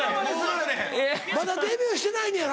まだデビューしてないねやろ？